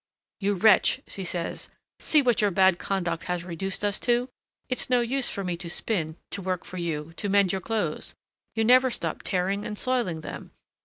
"You wretch!" she says, "see what your bad conduct has reduced us to! It's no use for me to spin, to work for you, to mend your clothes! you never stop tearing and soiling them.